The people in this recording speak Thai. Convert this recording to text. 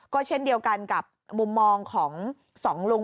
ก็เช่นเดียวกันกับมุมมองของสองลุง